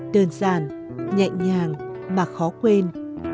đơn giản nhẹ nhàng mà khó quên